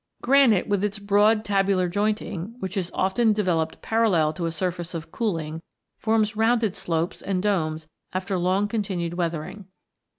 Granite, with its broad tabular jointing, which is often developed parallel to a surface of cooling, forms rounded slopes and domes after long continued weathering.